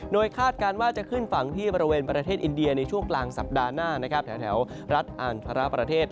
โดยคาดการณ์ว่าจะขึ้นฝั่งที่บริเวณประเทศอินเดียในช่วงกลางสัปดาห์หน้านะครับแถวรัฐอันภาระประเทศ